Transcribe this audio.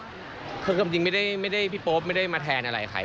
คือความจริงไม่ได้พี่โป๊ปไม่ได้มาแทนอะไรใคร